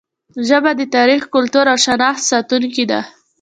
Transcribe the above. ژبه د تاریخ، کلتور او شناخت ساتونکې ده.